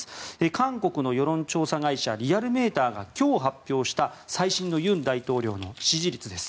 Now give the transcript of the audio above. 韓国の世論調査会社リアルメーターが今日発表した最新の尹大統領の支持率です。